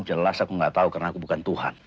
jelas aku nggak tahu karena aku bukan tuhan